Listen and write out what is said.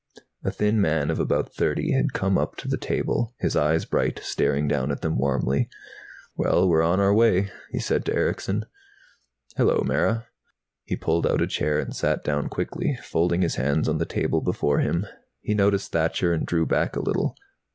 A thin man of about thirty had come up to the table, his eyes bright, staring down at them warmly. "Well, we're on our way," he said to Erickson. "Hello, Mara." He pulled out a chair and sat down quickly, folding his hands on the table before him. He noticed Thacher and drew back a little.